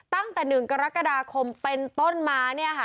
ตั้งแต่๑กรกฎาคมเป็นต้นม้านี่ค่ะ